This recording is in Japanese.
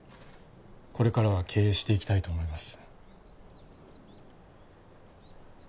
これからは経営していきたいと思います